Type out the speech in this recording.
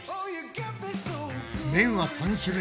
麺は３種類。